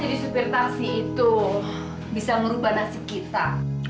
jadi supir taksi itu bisa merubah nasib kita